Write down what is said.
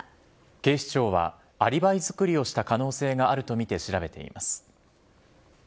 警視庁は、アリバイ作りをした可能性があるとみて調べています。